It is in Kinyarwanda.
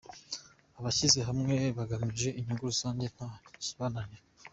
Abashyize hamwe bagamije inyungu rusange nta kibananira.